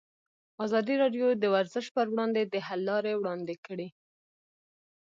ازادي راډیو د ورزش پر وړاندې د حل لارې وړاندې کړي.